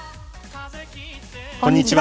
こんにちは。